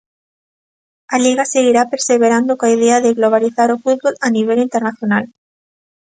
A Liga seguirá perseverando coa idea de globalizar o fútbol a nivel internacional.